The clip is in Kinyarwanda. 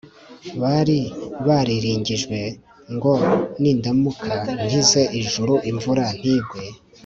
Bari bariringijwe ngo Nindamuka nkinze ijuru imvura ntigwe